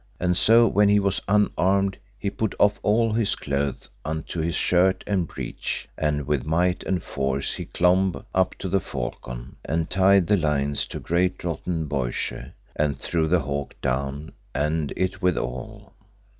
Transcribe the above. And so when he was unarmed, he put off all his clothes unto his shirt and breech, and with might and force he clomb up to the falcon, and tied the lines to a great rotten boyshe, and threw the hawk down and it withal.